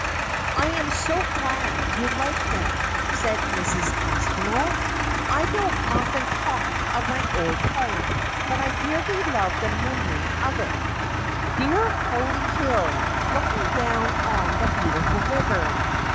' I am so glad you like them,' said Mrs. Aspinall. ' I don't often talk of my old home, but I dearly love the memory of it. Dear Holly Hill, looking down on the beautiful river.